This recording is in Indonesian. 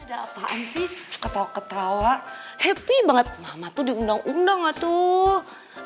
ada apaan sih ketawa ketawa happy banget muhammad tuh diundang undang tuh